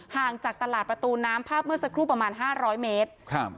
ห่างจากตลาดประตูน้ำภาพเมื่อสักครู่ประมาณ๕๐๐เมตร